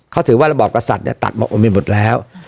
เขาถือว่าระบอบกษัตริย์เนี่ยตัดมาโอนไปหมดแล้ว